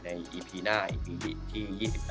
ในอีพีหน้าอีพีที่๒๘